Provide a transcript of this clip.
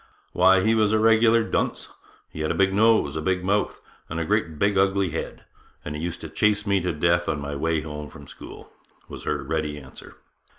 'Why, he was a regular dunce; he had a big nose, a big mouth, and a great big ugly head; and he used to chase me to death on my way home from school,' was her ready answer.